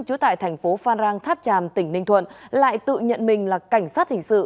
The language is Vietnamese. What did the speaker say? trú tại thành phố phan rang tháp tràm tỉnh ninh thuận lại tự nhận mình là cảnh sát hình sự